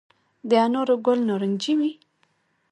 د انارو ګل نارنجي وي؟